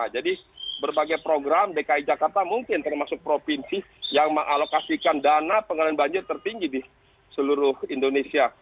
jadi berbagai program dki jakarta mungkin termasuk provinsi yang mengalokasikan dana pengendalian banjir tertinggi di seluruh indonesia